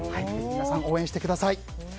皆さん、応援してください。